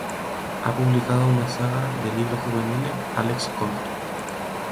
Ha publicado una saga de libros juveniles, Alex Colt.